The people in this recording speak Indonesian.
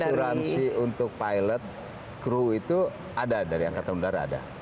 asuransi untuk pilot crew itu ada dari angkatan udara ada